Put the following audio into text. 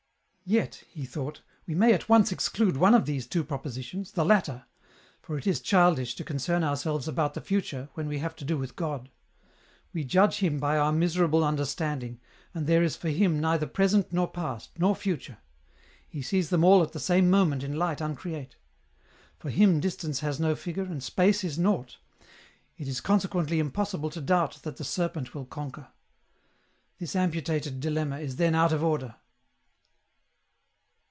*' Yet," he thought, " we may at once exclude one of these two propositions, the latter ; for it is childish to concern our selves about the future, when we have to do with God ; we I'udge Him by our miserable understanding, and there is for Him neither present nor past, nor future ; He sees them all at the same moment in light uncreate. For Him distance has no figure, and space is nought. It is consequently impossible to doubt that the Serpent will conquer. This amputated dilemma is then out of order."